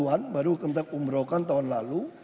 delapan puluh an baru keumrohkan tahun lalu